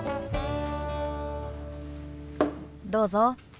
どうぞ。